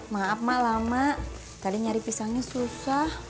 maaf mak lama tadi nyari pisangnya susah